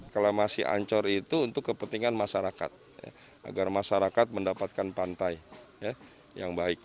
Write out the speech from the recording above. keklamasi ancor itu untuk kepentingan masyarakat agar masyarakat mendapatkan pantai yang baik